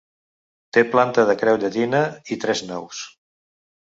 Té planta de creu llatina i tres naus.